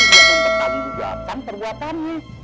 dia pun ketagi juga akan perbuatannya